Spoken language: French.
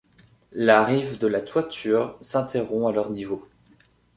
La rive de la toiture s'interrompt à leur niveau.